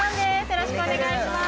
よろしくお願いします